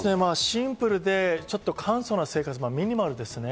シンプルで簡素な生活、ミニマルですね。